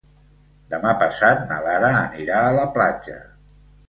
Demà passat na Lara anirà a la platja.